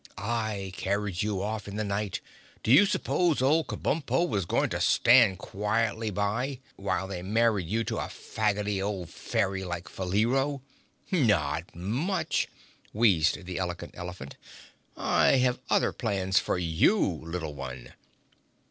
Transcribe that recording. I carried you off in the night. Did you suppose old Kabumpo was going to stand quietly by while they married you to a faggotty old fairy like Faleero? Not much," wheezed the Elegant Elephant. "I have other plans for you, little one!"